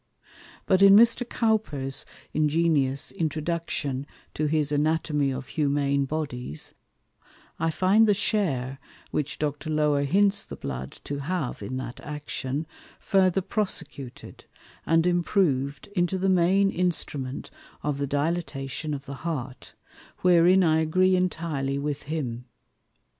But in Mr. Cowper's ingenious Introduction to his Anatomy of Humane Bodies, I find the Share which Dr. Lower hints the Blood to have in that Action, further prosecuted, and improved into the main Instrument of the Dilatation of the Heart, wherein I agree intirely with him.